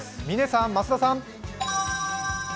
嶺さん、増田さん。